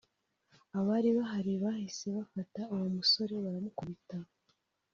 Abari bahari bahise bafata uwo musore baramukubita